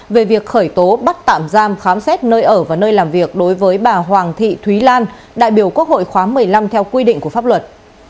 về việc khởi tố bắt tạm giam khám xét nơi ở và nơi làm việc đối với bà hoàng thị thúy lan đại biểu quốc hội khóa một mươi năm theo quy định của pháp luật